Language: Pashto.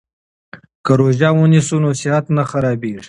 که روژه ونیسو نو صحت نه خرابیږي.